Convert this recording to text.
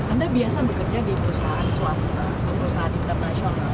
anda biasa bekerja di perusahaan swasta perusahaan internasional